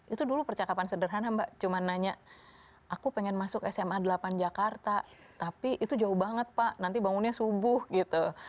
itu dulu percakapan sederhana mbak cuma nanya aku pengen masuk sma delapan jakarta tapi itu jauh banget pak nanti bangunnya subuh gitu